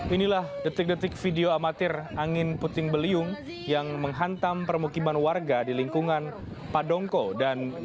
inilah detik detik video amatir angin puting beliung yang menghantam permukiman warga di lingkungan padongkong